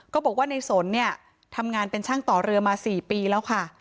ก็บอกว่าในสนเนี่ยทำงานเป็นช่างต่อเรือมา๔ปีแล้วค่ะ